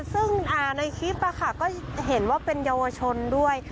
ซึ่งในคลิปก็เห็นว่าเป็นเยาวชนด้วย